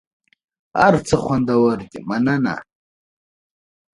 هر څه خوندور دي مننه .